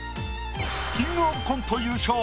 「キングオブコント」優勝。